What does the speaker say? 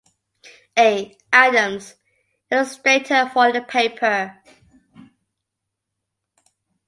A. Adams, illustrator for the paper.